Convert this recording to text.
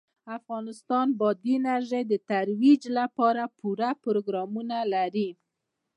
افغانستان د بادي انرژي د ترویج لپاره پوره پروګرامونه لري.